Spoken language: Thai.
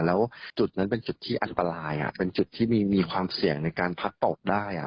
แล้วจุดนั้นเป็นจุดที่อันตรายเป็นจุดที่มีความเสี่ยงในการพัดตกได้